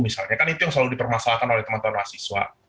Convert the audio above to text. misalnya kan itu yang selalu dipermasalahkan oleh teman teman mahasiswa